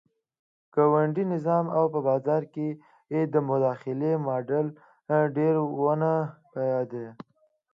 ګوندي نظام او په بازار کې د مداخلې ماډل ډېر ونه پایېد.